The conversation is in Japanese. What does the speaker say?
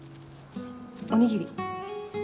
おにぎり。